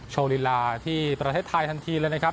โชว์ลีลาที่ประเทศไทยทันทีเลยนะครับ